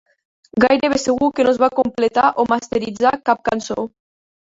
Gairebé segur que no es va completar o masteritzar cap cançó.